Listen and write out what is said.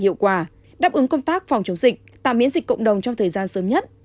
hiệu quả đáp ứng công tác phòng chống dịch tạo miễn dịch cộng đồng trong thời gian sớm nhất